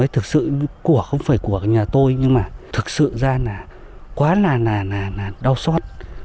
thực sự của không phải của nhà tôi nhưng mà thực sự ra là quá là đau xót